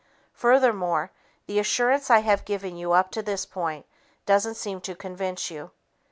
Furthermore, the assurance I have given you up to this point doesn't seem to convince you.